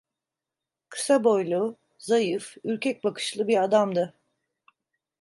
Kısa boylu, zayıf, ürkek bakışlı bir adamdı.